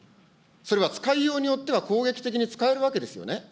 それは使いようによっては、攻撃的に使えるわけですよね。